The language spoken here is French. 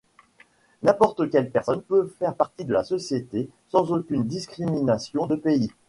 N'importe quelle personne peut faire partie de la société sans aucune discrimination de pays.